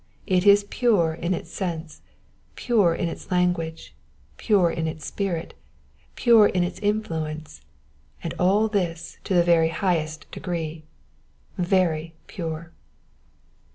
It is pure in its sense, pure in its language, pure in its spirit, pure in its influence, and all this to the very highest degree —" tJ^*y pure."